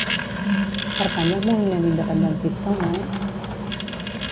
Pertany al moviment independentista el Noe?